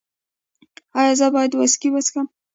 ایا زه باید ویسکي وڅښم؟